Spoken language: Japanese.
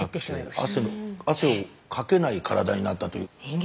汗をかけない体になったという２週間。